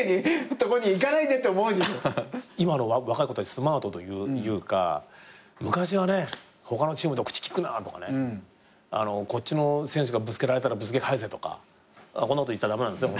今の若い子たちスマートというか昔はね「他のチームと口利くな」とかね「こっちの選手がぶつけられたらぶつけ返せ」とかこんなこと言ったら駄目なんですよ。